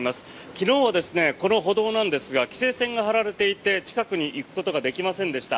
昨日はこの歩道なんですが規制線が張られていて近くに行くことができませんでした。